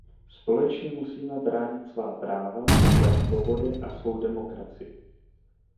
Společně musíme bránit svá práva, své svobody a svou demokracii.